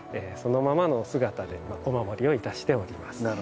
そのままのお姿でお守りをいたしております。